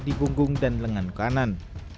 di punggung dan lengan kanan